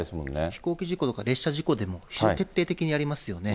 飛行機事故とか列車事故でも徹底的にやりますよね。